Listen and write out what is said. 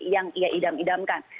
yang ia idam idamkan